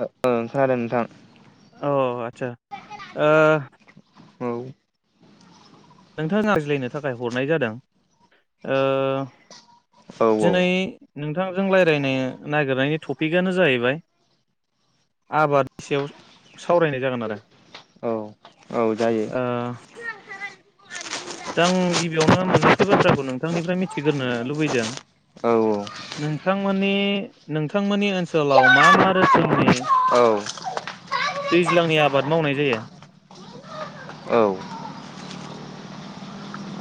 ओ खोनादों नोंथां। अ आदसा ओ औ नोंथां रायज्लायनो थाखाय हरनाय जादों ओ औ दिनै औ नोंथांजों रायज्लायनो नागिरनायनि टपिकआनो जाहैबाय आबादनि सायाव सावरायनाय जागोन आरो औ औ जायो दा आं गिबियावनो मोननैसो बाथ्राखौ नोंथांनिफ्राय मिथिग्रोनो लुबैदों औ नोंथांमोननि नोंथांमोननि ओनसोलाव मा मा रोखोमनि औ दैज्लांनि आबाद मावनाय जायो। औ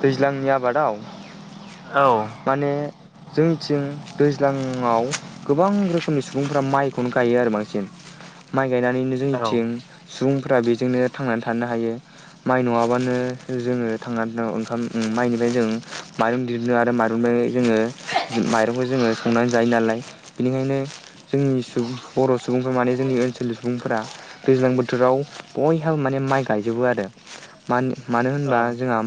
दैज्लांनि आबादाव औ माने जोंनिथिं दैज्लां आव गोबां रोखोमनि सुबुंफ्रा माइखौनो गायो आरो बांसिन माय गायनानैनो औ जोंनिथिं सुबुंफोरा बेजोंनो थांनानै थानो हायो माइ नङाबानो जोङो थांनानै ओं उम माइनिफ्राय जों माइरं दिहुननो आरो माइरंनिफ्रायनो जोङो माइरंखौ जोङो संनानै जायो नालाय बिनिखायनो जोंनि बर' सुबुंफ्रा माने जोंनि ओनसोलनि सुबुंफोरा दैज्लां बोथोराव बयहाबो माने माइ गायजोबो आरो मानो, मानो होनबा औ जोंहा,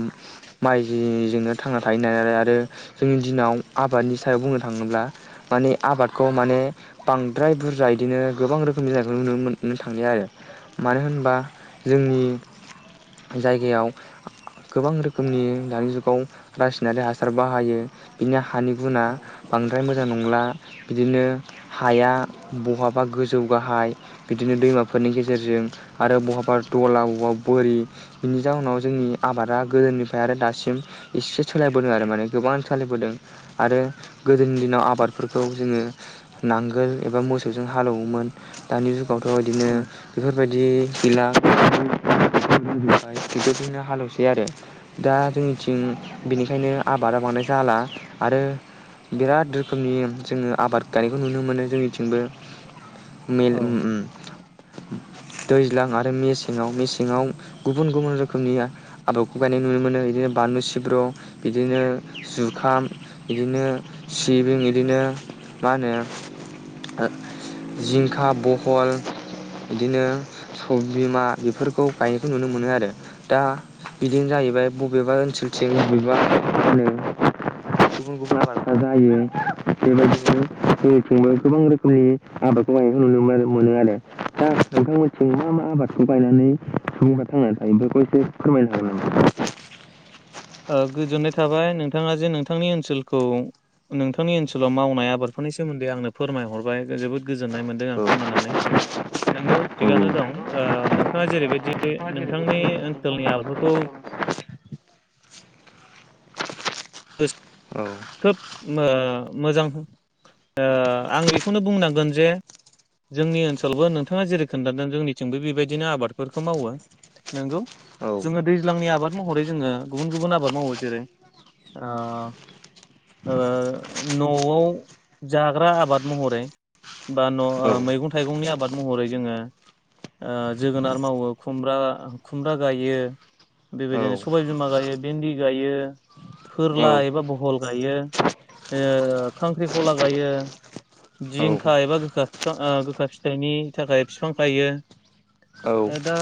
माइजोंनो थांना थायो नालालाय आरो जोंनि दिनाव आबादनि सायाव बुंनो थाङोब्ला माने आबादखौ माने बांद्राय बुरजा बिदिनो गोबां रोखोमनि जानायखौ नुनो मोननो थांनाय आरो मानो होनबा जोंनि जायगायाव गोबां रोखोम रोखोमनि दानि जुगाव रासायनारि हासार बाहायो बिनि हानि गुना बांद्राय मोज मोजां नंला बिदिनो हाया बहाबा गोजौ गाहाय बिदिनो दैमाफोरनि गेजेरजों आरो बहाबा दला बबावबा बोरि बिनि जाउनाव जोंनि आबादा गोदोनि आरो दासिम एसे सोलायबोदों आरो माने गोबांआनो सोलायबोदों आरो गोदोनि दिनाव आबादफोरखौ जोङो नांगोल एबा मोसौजों हालेवोमोन दानि जु गावथ' इदिनो औ बेफोरबायदि सिला [unintelligible] हालेवसै आरो दा जोंनिथिं बेनिखायनो आबादा बांद्राय जाला आरो बिराद रोखोमनि जोङो आबाद गानायखौ नुनो मोनो जोंनिथिंबो, मिल उम औ उम दैज्लां आरो मेसेङाव मेसेङाव गुबुन गुबुन रोखोमनि आदबखौ गायनाय, नुनो मोनो इदिनो बानलु सिब्र बिदिनो जुखाम बिदिनो सिबिं इदिनो मा होनो जिंखा बहल इदिनो सबबिमा बिफोरखो गायनायखो ननो मोनो आरो दा बिदिनो जा बाय बबेबा ओनसोलथिं बबेबा उम गुबुन गुबुन आबादफ्रा जायो बेबायदिनो जोंनिथिंबो गोबां रोखोमनि आबादखौ गायनायखो नुनो मोनो मोनो आरो दा नोंथांमोनथिं मा मा आबादखौ गायनानै सुबुंफ्रा थांनानै थायो बेफोरखौ एसे फोरमायनो हागोन नामा? ओ गोजोननाय थाबाय नोंथाङा जे नोंथांनि ओनसोलखौ नोंथांनि ओनसोलाव मावनाय आबादफोरनि सोमोन्दै आंनो फोरमायहरबाय जोबोद गोजोननाय मोनदों आं खोनानानै नंगौ थिगानो दं ओ नों नोंथां जेरै बायदि बे नोंथांनि ओनसोलनि आब औ औ खोब मो मोजां ओ आं बेखौनो बुंनांगोन जे जोंनि ओनसोलावबो नोंथाङा जेरै खोन्थादों जोंनिथिंबो बेबायदिनो आबादफोरखौ मावो नंगौ औ जोङो दैज्लांनि आबाद महरै जोङो गुबुन गुबुन आबाद मावो जेरै ओ ओ न'वाव जाग्रा आबाद महरै बा न' ओ मैगं थाइगंनि आबाद महरै जोङो ओ जोगोनार मावो खुमब्रा खुमब्रा गायो औ बेबायदिनो सबाय बिमा गायो भिन्दि गायो फोरला एबा बहल गायो ओ खांख्रिखला गायो औ जिंखा एबा गोखा बिफां ओ गोखा फिथाइनि थाखाय बिफां गायो दा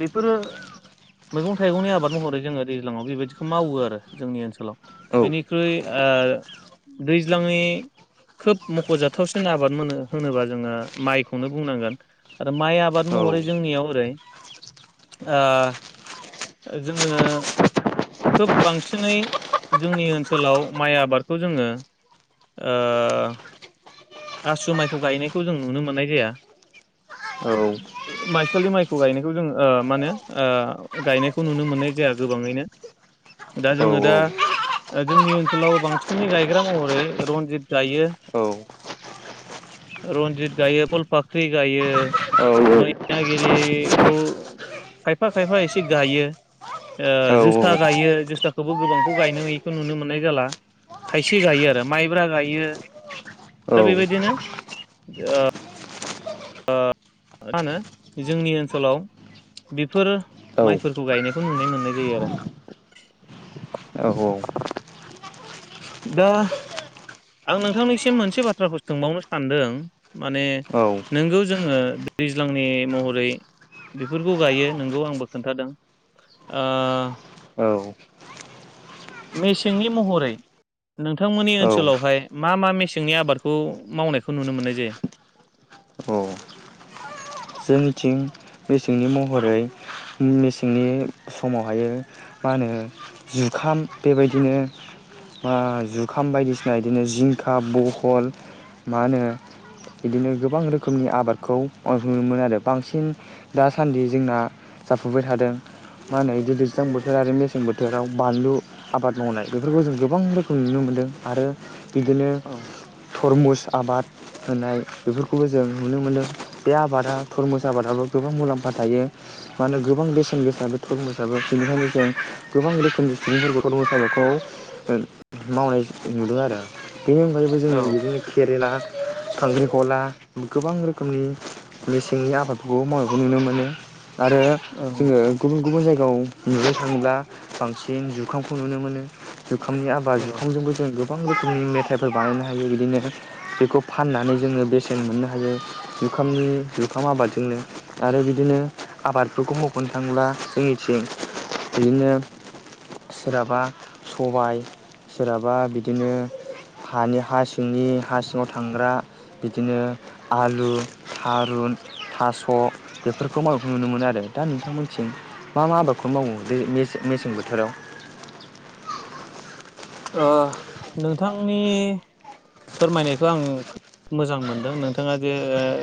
बेफोर मैगं थाइगंनि आबाद महरै जोङो दैज्लाङाव बेबायदिखौ मावो आरो जोंनि ओनसोलाव, बेनिख्रुइ ओ दैज्लांनि खोब मख'जाथावसिन आबाद मोनो होनोबा जोङो माइखौनो बुंनांगोन आरो माइ आबाद महरै जोंनियाव ओरै ओ जोङो खोब बांसिनै, जोंनि ओनसोलाव माइ आबादखौ जोङो ओ आसु माइखौ गायनायखौ जों नुनो मोननाय जाया माइसालि माइखौ गायनायखौ जों ओ मा होनो ओ गायनायखौ नुनो मोननाय जाया गोबाङैनो दा जोङो दा, जोंनि ओनसोलाव बांसिनै गायग्रा महरै रनजित गायो रन्जित गायो फलफाख्रि गायो मैनागिखौ खायफा खायफा एसे गायो ओ औ जोसा गायो जोसाखौबो गोबांखौ गायनो खौ नुनो मोननाय जाला खायसे गायो आरो माइब्रा गायो औ दा बेबायदिनो ओ ओ मा होनो जोंनि ओनसोलाव बेफोर औ माइफोरखौ गायनायखौ नुनाय मोननाय जायो आरो दा आं नोंथांनिसिम मोनसे बाथ्राखौ सोंबावनो सानदों माने औ नंगौ जोङो दैज्लांनि महरै बेफोरखौ गायो नंगौ आंबो खोन्थादों ओ औ मेसेंनि महरै नोंथांमोननि औ ओनसोलावहाय मा मा मेसेंनि आबादखौ मावनायखौ नुनो मोननाय जायो। औ जोंनिथिं मेसेंनि महरै मेसेंनि समावहायो मा होनो जुखाम बेबायदिनो ओ जुखाम बायदिसिना बिदिनो जिंखा बहल मा होनो बिदिनो गोबां रोखोमनि आबादखौ, नुनो मोनो आरो बांसिन दासान्दि जोंना जाफुबाय थादों मा होनो दैज्लां बोथोर आरो मेसें बोथोराव बानलु आबाद मावनाय बेफोरखौ जों गोबां रोखोम नुनो मोनदों आरो बिदिनो औ थरमुस आबाद होनाय बेफोरखौबो जों नुनो मोनो। बे आबादा थरमुसा आबादाबो गोबां मुलाम्फा थायो मानो गोबां बेसेन गोसा बे थरमुसाबो बेनिखायनो जों गोबां रोखोमनि सुबुंफोरखो थरमुस आबादखौ मावनाय नुदों आरो आं। बेनि अनगायैबो जोङो औ बिदिनो केरेला खांख्रिखला गोबां रोखोमनि मेसेंनि आबादबो मावनायखौ नुनो मोनो। आरो जोङो गुबुन गुबुन जायगायाव नुनो थाङोब्ला बांसिन जुखामखौ नुनो मोनो जुखामनि आबाद जुखामजोंबो जों गोबां रोखोम मेथाइफोर बानायनो हायो बिदिनो बेखौ फाननानै जोङो बेसेन मोननो हायो। जुखामनि जुखाम आबादजोंनो आरो बिदिनो आबादफोरखौ मावख'नो थांब्ला जोंनिथिं बिदिनो सोरहाबा सबाय सोरहाबा बिदिनो हानि हा सिंनि हा सिङाव थांग्रा बिदिनो आलु। थारुन थास' बेफोरखौ मावनायखौ नुनो मोनो आरो दा नोंथांमोनथिं मा मा आबादखौनो मावो बे मेसे-मेसें बोथोराव। ओह नोंथांनि फोरमायनायखौ आं खोब मोजां मोनदों नोंथाङा जे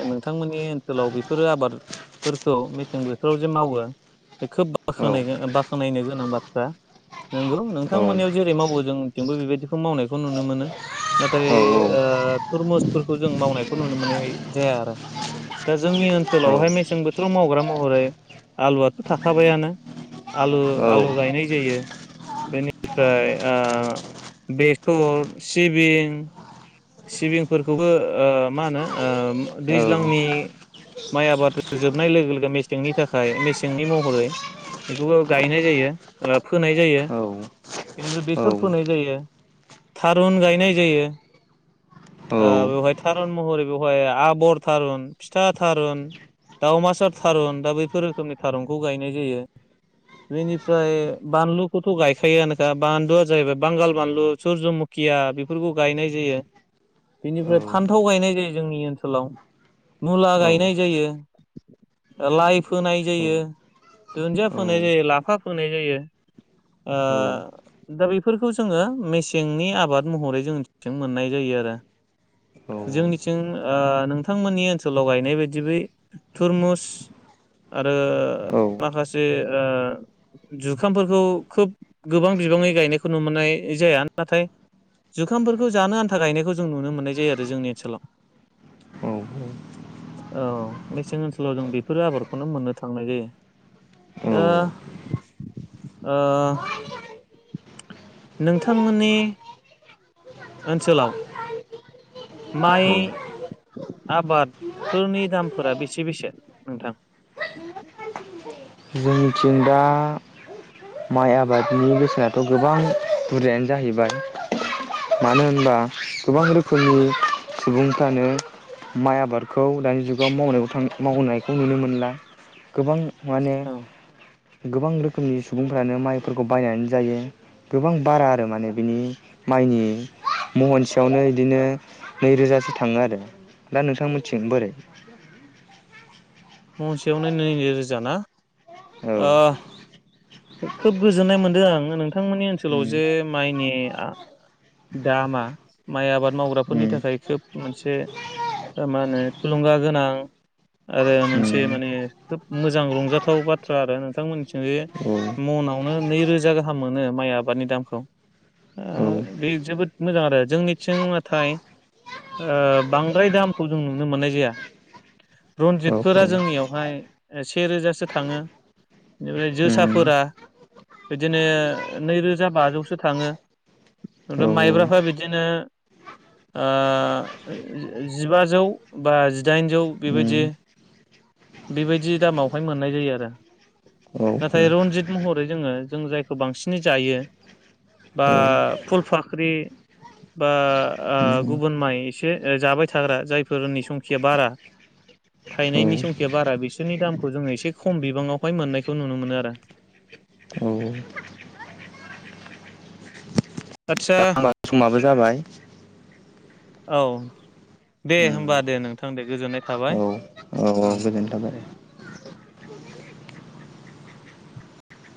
नोंथांमोननि ओनसोलाव बेफोरो आबादफोरखौ मेसें बोथोराव जे मावो बे खोब औ बाखनाय-बाख्नायनो गोनां बाथ्रा नंगौ औ नोंथांमोननियाव जेरै मावो जोंथिंबो बेबायदिखौ मावनायखौ नुनो मोनो नाथाय औ औ ओ थुरमुसफोरखौ जों मावनायखौ नुनो मोननाय जाया आरो दा जोंनि ओनसोलावहाय जोंनिथिं मेसें बोथोराव मावग्रा महरै आलुआथ' थाखाबायानो आलु आलु गायनाय जायो बेनिफ्राय आ बेसर सिबिं सिबिंफोरखौबो ओ मा होनो ओ दैज्लांनि माइ आबाद जोबनाय लोगो लोगो मेसेंनि थाखाय मेसेंनि महरै बेखौबो गायनाय जायो फोनाय जायो बेनिफ्राय बेसर फोनाय जायो थारुन गायनाय जायो। ओ बेवहाय थारुन महरै बेवहाय आबर थारुन फिथा थारुन दाउमासार थारुन दा बैफोर रोखोमनि थारुनखौ गायनाय जायो बेनिफ्राय बानलुखौथ' गायखायोआनोखा बानलुआ जाहैबाय बांगाल बानलु सुरजमुखिया बेफोरखौ गायनाय जायो। बेनिफ्राय फान्थाव गायनाय जायो जोंनि ओनसोलाव मुला गायनाय जायो लाइ फोनाय जायो दुन्दिया फोनाय जायो लाफा फोनाय जायो ओ दा बेफोरखौ जोङो मेसेंनि आबाद महरै जोंनिथिं मोननाय जायो आरो जोंनिथिं ओ नोंथांमोननि ओनसोलाव गायनाय बायदि बै थुरमुस आरो माखासे ओ जुखामफोरखौ खोब गोबां बिबाङै गायनायखौ नुनो मोननाय जाया नाथाय जुखामफोरखौ जानो आन था गायनायखौ जों नुनो मोननाय जायो आरो जोंनि ओनसोलाव औ मेसें ओनसोलाव जों बेफोर आबादखौनो मोननो थांनाय जायो दा ओह नोंथांमोननि ओनसोलाव माइ आबादफोरनि दामफोरा बेसे बेसे नोंथां जोंनिथिं दा माइ आबादनि बेसेनाथ' गोबां बुरजायानो जाहैबाय मानो होनबा गोबां रोखोमनि सुबुंफ्रानो माइ आबादखौ दानि जुगाव मावनायां मावनायखौ नुनो मोनला गोबां माने औ गोबां रोखोमनि सुबुंफ्रानो माइफोरखौ बायनानै जायो गोबां बारा आरो माने बिनि माइनि महनसेयावनो बिदिनो नैरोजासो थाङो आरो दा नोंथां मिननिथिं बोरै? महसेयावनो नैरोजा ना। ओ औ खोब गोजोननाय मोनदों आं नोंथांमोननि ओनसोलाव जे उम माइनि दामा माइ आबाद मावग्राफोरनि उम थाखाय खोब मोनसे मा होनो थुलुंगा गोनां आरो मोनसे मोनसे उम माने खोब मोजां रंजाथाव बाथ्रा आरो नोंथांमोननिथिं जे मनावनो नैरोजा गाहाम मोनो माइ आबादनि दामखौ औ बे जोबोद मोजां आरो जोंनिथिं नाथाय बांद्राय दामखौ जों नुनो मोननाय जाया रनजित औ फोरा जोंनियावहाय सेेरोजासो थाङो बेनिफ्राय जोसाफोरा बिदिनो नैरोजा बाजौसो थाङो ओमफ्राय औ माइब्राफ्रा बिदिनो जिबाजौ बा जिदाइनजौ बेबायदि उम बेबायदि दामावहाय मोननाय जायो आरो औ नाथाय रनजित महरै जोङो जों जायखौ बांसिनै जायो बा औ फुलफाख्रि बा उम गुबुन माइ एसे जाबाय थाग्रा जायफोरनि संखिया बारा थायनायनि औ संखिया बारा बिसोरनि दामखौ जोङो एसे खम बिबाङावहाय मोननायखौ नुनो मोनो आरो। औ आतसा समाबो जाबाय औ दे उम होनबा दे नोंथां दे गोजोननाय औ थाबाय औ ओं गोजोनायथाबाय दे